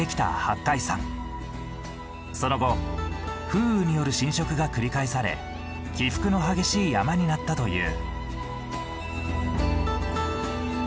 その後風雨による浸食が繰り返され起伏の激しい山になったという。